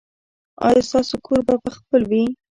ایا ستاسو کور به خپل وي؟